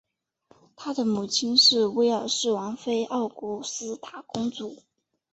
他的母亲是威尔士王妃奥古斯塔公主。